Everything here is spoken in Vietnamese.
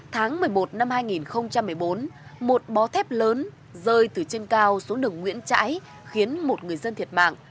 tháng một mươi một năm hai nghìn một mươi bốn một bó thép lớn rơi từ trên cao xuống đường nguyễn trãi khiến một người dân thiệt mạng